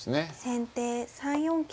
先手３四桂馬。